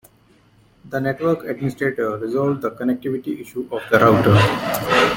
The network administrator resolved the connectivity issue of the router.